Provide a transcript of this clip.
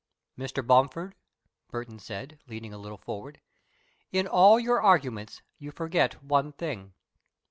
"Mr. Bomford," Burton said, leaning a little forward, "in all your arguments you forget one thing.